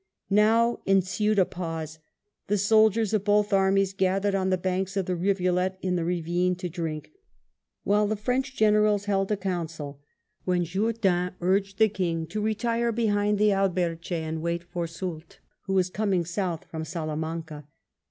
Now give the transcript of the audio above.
Now ensued a pause. The soldiers of both armies gathered on the banks of the rivulet in the ravine to drink, while the French Generals held a council, when Jourdan urged the King to retire behind the Alberche and wait for Soult, who was coming south from Salamanca.